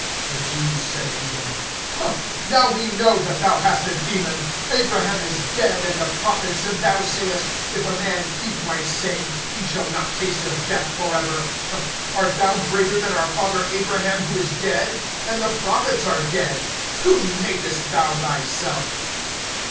(52)The Jews said to him: Now we know that thou hast a demon. Abraham is dead, and the prophets; and thou sayest: If a man keep my saying, he shall not taste of death, forever. (53)Art thou greater than our father Abraham, who is dead? And the prophets are dead. Whom makest thou thyself?